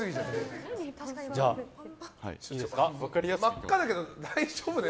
真っ赤だけど大丈夫？